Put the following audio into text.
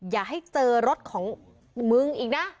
อย่าให้เจอรถของมึงอีกนะแบบนี้